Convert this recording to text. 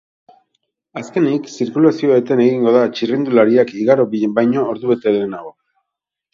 Azkenik, zirkulazioa eten egingo da txirrindulariak igaro baino ordubete lehenago.